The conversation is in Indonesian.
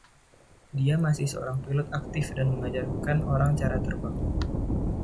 Dia masih seorang pilot aktif dan mengajarkan orang cara terbang.